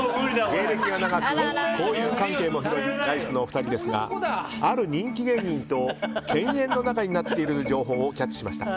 芸歴が長く交友関係も広いライスのお二人ですがある人気芸人と犬猿の仲になっているという情報をキャッチしました。